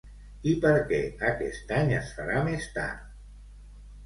I per què aquest any es farà més tard?